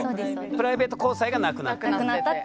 プライベート交際がなくなった。